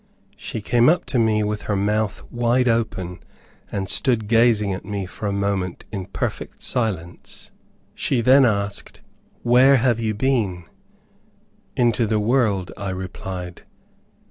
She came up to me with her mouth wide open, and stood gazing at me for a moment in perfect silence. She then asked, "Where have you been?" "Into the world," I replied.